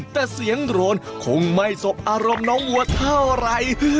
แต่เสียงโรนคงไม่สบอารมณ์น้องวัวเท่าไหร่